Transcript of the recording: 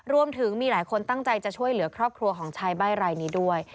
รวมถึงมีหลายคนตั้งใจจะช่วยเหลือครอบครัวของชายใบ้รายนี้ด้วย